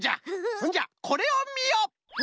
ほんじゃこれをみよ。